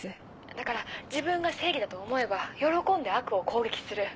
だから自分が正義だと思えば喜んで悪を攻撃する。